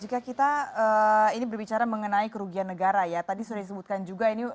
biasanya ya kita sudah mau mengambil ide yang mana ya ini berbicara mengenai kerugian negara ya tadi sudah disebutkan juga ini tentunya